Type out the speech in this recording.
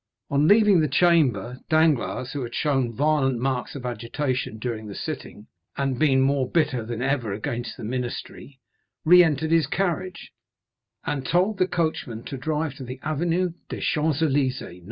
On leaving the Chamber, Danglars, who had shown violent marks of agitation during the sitting, and been more bitter than ever against the ministry, re entered his carriage, and told the coachman to drive to the Avenue des Champs Élysées, No.